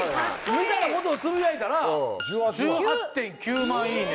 みたいなことをつぶやいたら「１８．９万いいね」